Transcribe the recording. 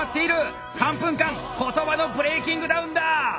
３分間言葉のブレイキングダウンだ！